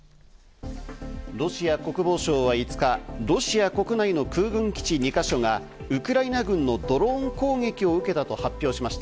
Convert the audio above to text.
ロシア国防省は５日、ロシア国内の空軍基地２か所がウクライナ軍のドローン攻撃を受けたと発表しました。